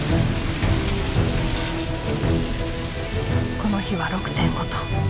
この日は６．５トン。